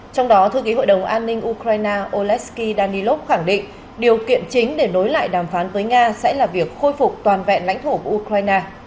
trong đó thư ký hội đồng an ninh ukraine danilov khẳng định điều kiện chính để nối lại đàm phán với nga sẽ là việc khôi phục toàn vẹn lãnh thổ của ukraine